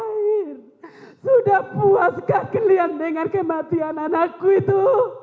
air sudah puaskah kalian dengan kematian anakku itu